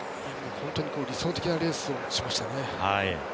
本当に理想的なレースをしましたね。